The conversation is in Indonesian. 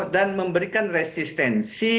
dan memberikan resistensi